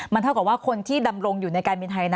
มันเท่ากับว่าคนที่ดำรงอยู่ในการบินไทย